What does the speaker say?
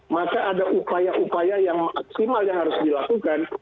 maka ada upaya upaya yang maksimal yang harus dilakukan